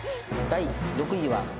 第６位は。